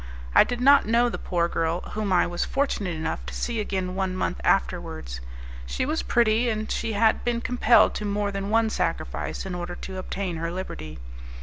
I did not know the poor girl, whom I was fortunate enough to see again one month afterwards. She was pretty, and she had been compelled to more than one sacrifice in order to obtain her liberty.